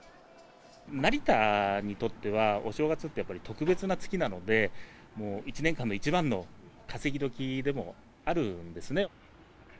成田にとっては、お正月ってやっぱり特別な月なので、もう１年間の一番の稼ぎどきでもあるんですね。